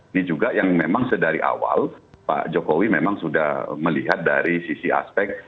ini juga yang memang sedari awal pak jokowi memang sudah melihat dari sisi aspek